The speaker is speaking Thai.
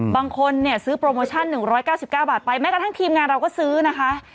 บางคนเนี่ยซื้อโปรโมชั่น๑๙๙บาทไปแม้กระทั่งทีมงานเราก็ซื้อนะคะ